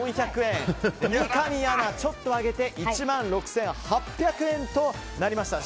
三上アナ、ちょっと上げて１万６８００円となりました。